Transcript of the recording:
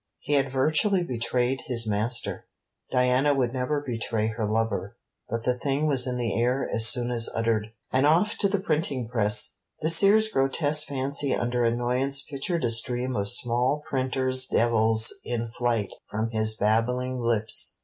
He had virtually betrayed his master. Diana would never betray her lover, but the thing was in the air as soon as uttered: and off to the printing press! Dacier's grotesque fancy under annoyance pictured a stream of small printer's devils in flight from his babbling lips.